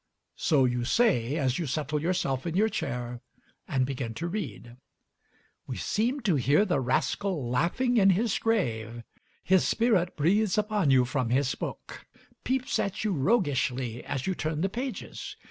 So you say as you settle yourself in your chair and begin to read. We seem to hear the rascal laughing in his grave. His spirit breathes upon you from his book peeps at you roguishly as you turn the pages.